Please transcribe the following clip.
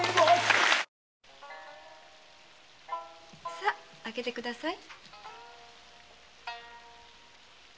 さ空けてください。